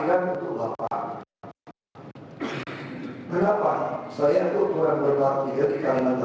yang tidak ada segera dengan berikut